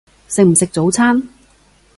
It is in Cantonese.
食唔食早餐？